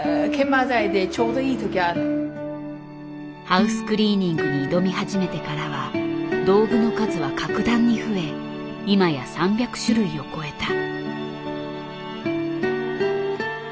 ハウスクリーニングに挑み始めてからは道具の数は格段に増え今や３００種類を超えた。